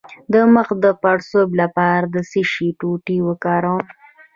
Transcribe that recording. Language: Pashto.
د مخ د پړسوب لپاره د څه شي ټوټې وکاروم؟